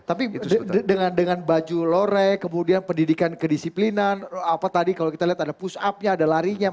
tapi dengan baju lore kemudian pendidikan kedisiplinan apa tadi kalau kita lihat ada push up nya ada larinya